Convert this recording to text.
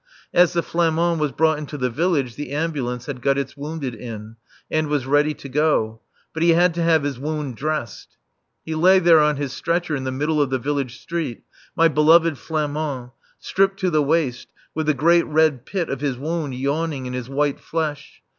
As the Flamand was brought into the village, the Ambulance had got its wounded in, and was ready to go. But he had to have his wound dressed. He lay there on his stretcher in the middle of the village street, my beloved Flamand, stripped to the waist, with the great red pit of his wound yawning in his white flesh.